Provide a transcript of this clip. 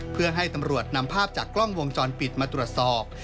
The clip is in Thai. เพื่อให้ตำรวจนำภาพจากกล้องวงจรปิดมาตรวจสอบ